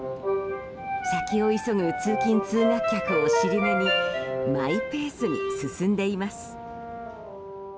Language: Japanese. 先を急ぐ通勤・通学客をしり目にマイペースに進んでいます。